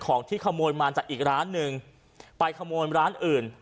ของที่ขโมยมาจากอีกร้านหนึ่งไปขโมยร้านอื่น